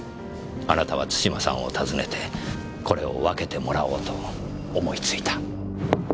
あなたは津島さんを訪ねてこれを分けてもらおうと思いついた。